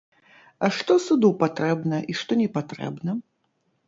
А што суду патрэбна і што непатрэбна?